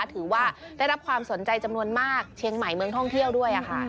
ถือว่าได้รับความสนใจจำนวนมากเชียงใหม่เมืองท่องเที่ยวด้วยค่ะ